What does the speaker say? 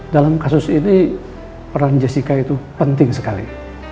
dalam kasus ini peran jessica itu penting sekali